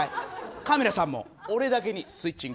カメラさんも俺だけにスイッチング。